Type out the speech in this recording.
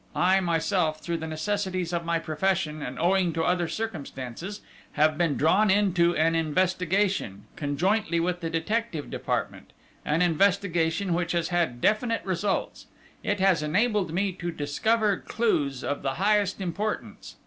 I, myself, through the necessities of my profession, and owing to other circumstances, have been drawn into an investigation, conjointly with the detective department, an investigation which has had definite results: it has enabled me to discover clues of the highest importance.